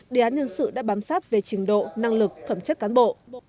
đề án nhân sự đã bám sát về trình độ năng lực phẩm chất cán bộ